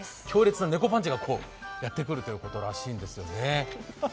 強烈な猫パンチがやってくるということらしいんですよね。